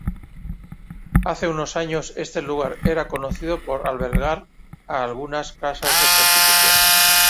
Hace unos años este lugar era conocido por albergar a algunas casas de prostitución.